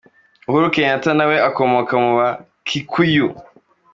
Uhuru Kenyatta na we akomoka mu ba Kikuyu.